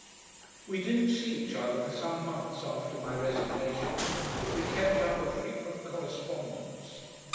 We didn't see each other for some months after my resignation, but we kept up a frequent correspondence.